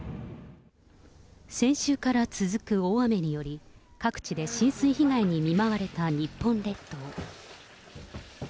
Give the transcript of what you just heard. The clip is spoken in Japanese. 先週から続く大雨により、各地で浸水被害に見舞われた日本列島。